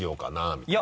みたいな。